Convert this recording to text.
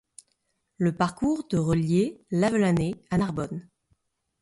Le parcours de reliait Lavelanet à Narbonne.